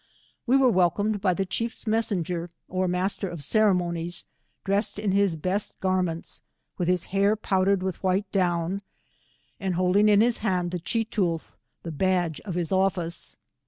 We were welcomed by tbe chief's messenger, or master of ceremonies, dressed in his best g;armeat8j 124 with his hair powdered with white down, and hold ing in his hand the cheetoolth, the badge of his office.